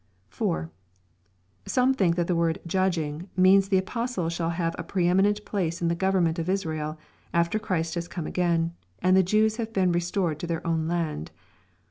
Some think that the word "judging," means that the apostles shall have a pre eminent place in the government of Israel, after Christ has come again and the Jews have been restored to their own land.